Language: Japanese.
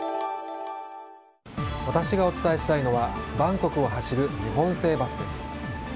私がお伝えしたいのはバンコクを走る日本製バスです。